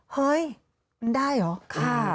เฮ้ยมันได้เหรอ